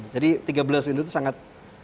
jadi tiga belas window itu sangat berbeda ya